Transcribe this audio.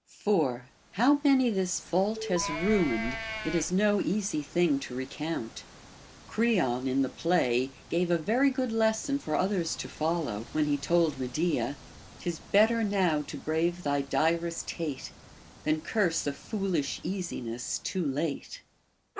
4. How many this fault has ruined, it is no easy thing to recount. Creon in the play gave a very good lesson for others to follow, when he told Medea, — 'Tis better now to brave thy direst hate, Than curse a foolish easiness too late.